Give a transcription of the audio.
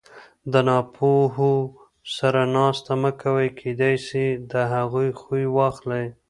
د ناپوهو سره ناسته مه کوئ! کېداى سي د هغو خوى واخلى!